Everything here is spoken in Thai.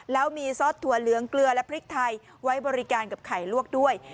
แล้วมีซอสถั่วเหลืองเกลือและพริกไทยไว้บริการกับไข่ลวกด้วย